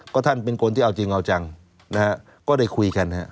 ก็ท่านเป็นคนที่เอาจริงเอาจังนะฮะก็ได้คุยกันฮะ